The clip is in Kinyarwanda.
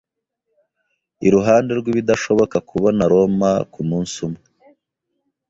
Iruhande rwibidashoboka kubona Roma kumunsi umwe.